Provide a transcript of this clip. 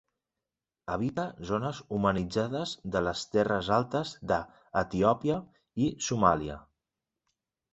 Habita zones humanitzades de les terres altes d'Etiòpia i Somàlia.